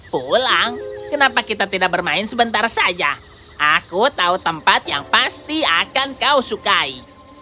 pulang kenapa kita tidak bermain sebentar saja aku tahu tempat yang pasti akan kau sukai